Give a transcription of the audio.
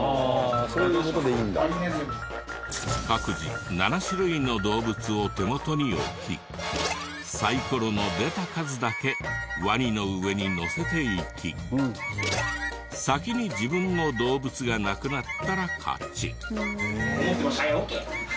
各自７種類の動物を手元に置きサイコロの出た数だけワニの上に乗せていき先に自分の動物がなくなったら勝ち。